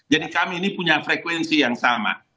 jadi kami ini punya frekuensi yang sama